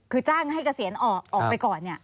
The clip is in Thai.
คือจ้างให้เกษียณออกไปก่อน